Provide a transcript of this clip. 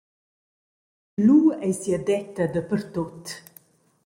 Lu ei sia detta dapertut.